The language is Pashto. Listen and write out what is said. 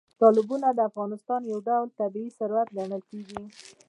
تالابونه د افغانستان یو ډول طبیعي ثروت ګڼل کېږي.